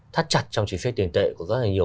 thắt chặt trong chính sách tiền tệ của rất là nhiều